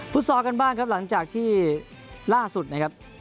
ซอลกันบ้างครับหลังจากที่ล่าสุดนะครับ